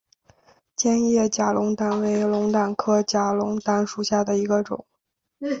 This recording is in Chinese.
尖叶假龙胆为龙胆科假龙胆属下的一个种。